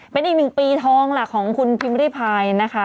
เป็นอีก๑ปีทองค่ะของคุณพิมริพายนะคะ